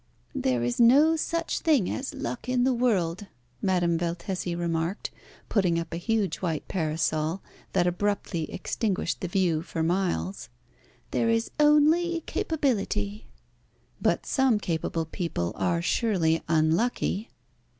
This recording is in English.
"There is no such thing as luck in the world," Madame Valtesi remarked, putting up a huge white parasol that abruptly extinguished the view for miles. "There is only capability." "But some capable people are surely unlucky."